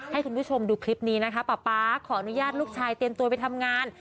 ให้คุณผู้ชมดูคลิปนี้นะคะป๊าป๊าขออนุญาตลูกชายเตรียมตัวไปทำงาน